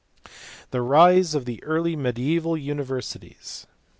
The rise of the early mediaeval universities*.